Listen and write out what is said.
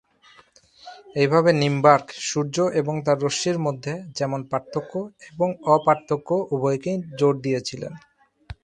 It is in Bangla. এইভাবে নিম্বার্ক সূর্য এবং তার রশ্মির মধ্যে যেমন পার্থক্য এবং অ-পার্থক্য উভয়কেই জোর দিয়েছিল।